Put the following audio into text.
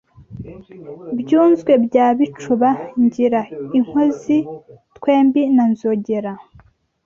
Byunzwe bya Bicuba Ngira inkozi twembi na Nzogera